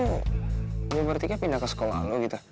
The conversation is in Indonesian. gue berarti kan pindah ke sekolah lo gitu